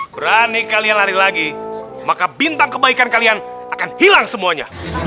berani kalian lari lagi maka bintang kebaikan kalian akan hilang semuanya